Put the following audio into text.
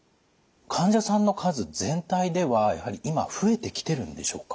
患者さんの数全体ではやはり今増えてきてるんでしょうか？